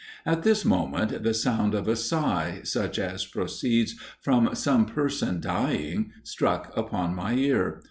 At this moment, the sound of a sigh, such as proceeds from some person dying, struck upon my ear.